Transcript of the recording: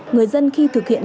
người dân khi thực hiện